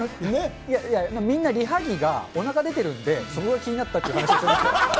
いや、みんなリハ着がおなか出てるんで、そこが気になったっていう話です。